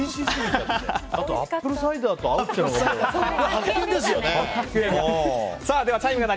あとアップルサイダーと合うっていうのが。